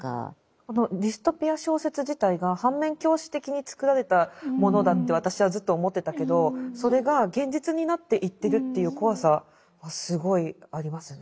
このディストピア小説自体が反面教師的に作られたものだって私はずっと思ってたけどそれが現実になっていってるっていう怖さはすごいありますね。